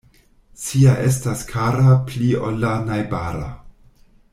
Sia estas kara pli ol la najbara.